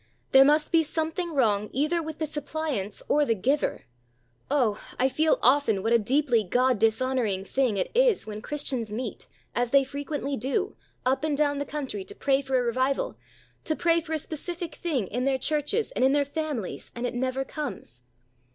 There must be something wrong either with the suppliants or the Giver. Oh! I feel often what a deeply God dishonoring thing it is when Christians meet, as they frequently do, up and down the country, to pray for a revival, to pray for a specific thing in their Churches and in their families, and it never comes.